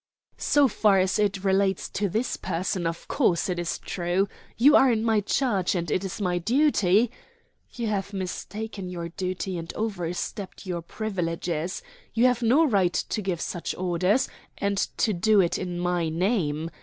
"So far as it relates to this person, of course it is true. You are in my charge, and it is my duty " "You have mistaken your duty and overstepped your privileges. You have no right to give such orders, and to do it in my name.